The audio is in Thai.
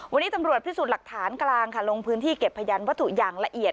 วันนี้ตำรวจพิสูจน์หลักฐานกลางค่ะลงพื้นที่เก็บพยานวัตถุอย่างละเอียด